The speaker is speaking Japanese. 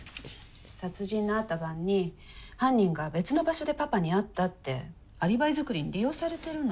殺人のあった晩に犯人が別の場所でパパに会ったってアリバイ作りに利用されてるの。